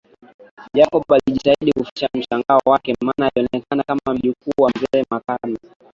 Jacob alijitahidi kuficha mshangao wake maana alionekana kama mjukuu wa mzee Makame